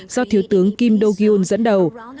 do thiếu tướng kim do gyun dẫn đầu